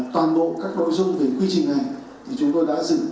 toàn bộ các nội dung về quy trình này thì chúng tôi đã dựng